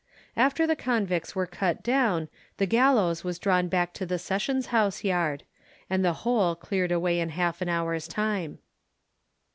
After the convicts were cut down, the gallows was drawn back to the sessions house yard; and the whole cleared away in half an hour's time.